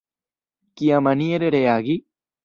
Kiamaniere reagi?